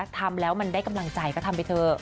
ทำแล้วมันได้กำลังใจก็ทำไปเถอะ